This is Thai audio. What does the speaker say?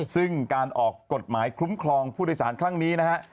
ซึ่งการออกกฎหมายคุ้มครองผู้โดยสารครั้งนี้นะฮะ